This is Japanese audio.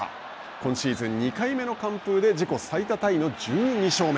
今シーズン２回目の完封で自己最多タイの１２勝目。